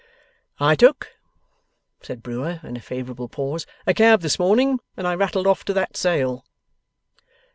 'I took,' says Brewer in a favourable pause, 'a cab this morning, and I rattled off to that Sale.